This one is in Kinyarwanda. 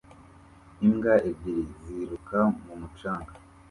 Imbwa ebyiri ziruka mu mucanga